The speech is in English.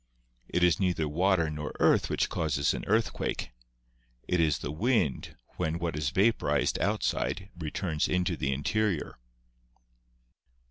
It is neither water nor earth which causes an earthquake ; it is the wind when what is vaporized outside returns into the interior."